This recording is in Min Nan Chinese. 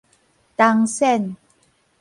銅仙